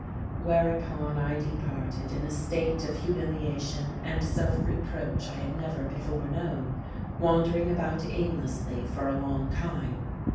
Whereupon I departed in a state of humiliation and self reproach I had never before known, wandering about aimlessly for a long time.